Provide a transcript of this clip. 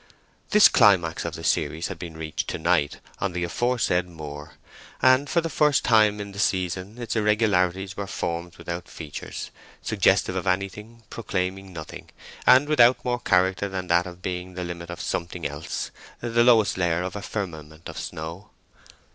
This climax of the series had been reached to night on the aforesaid moor, and for the first time in the season its irregularities were forms without features; suggestive of anything, proclaiming nothing, and without more character than that of being the limit of something else—the lowest layer of a firmament of snow.